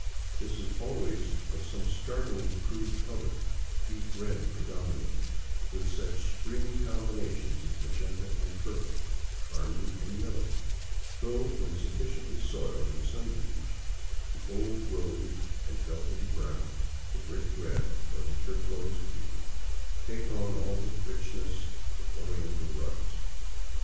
This is always of some startling, crude color, deep red predominating, with such screaming combinations as magenta and purple, carmine and yellow, though when sufficiently soiled and sun bleached, the old rose and velvety brown, the brick red or turquoise blue, take on all the soft richness of Oriental rugs.